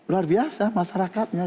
luar biasa masyarakatnya